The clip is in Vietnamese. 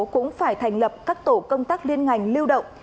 cũng phải thành lập các tổ công tác liên ngành lưu động